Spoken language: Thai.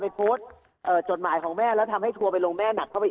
โพสต์จดหมายของแม่แล้วทำให้ทัวร์ไปลงแม่หนักเข้าไปอีก